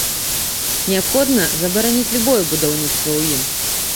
Неабходна забараніць любое будаўніцтва ў ім.